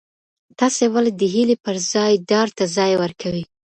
تاسي ولي د هیلې پر ځای ډار ته ځای ورکوئ؟